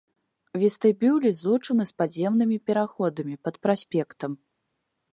Вестыбюлі злучаны з падземнымі пераходамі пад праспектам.